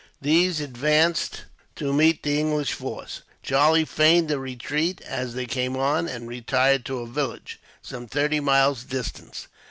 These advanced to meet the English force. Charlie feigned a retreat, as they came on; and retired to a village, some thirty miles distant.